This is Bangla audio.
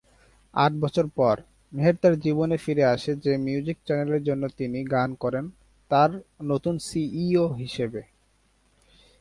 আট বছর পর, মেহের তার জীবনে ফিরে আসে যে মিউজিক চ্যানেলের জন্য তিনি গান করেন তার নতুন সিইও হিসেবে।